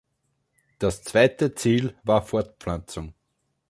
Das zweite Ziel war Fortpflanzung.